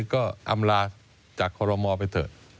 ก็อำลาจากคอรมอลไปเถอะ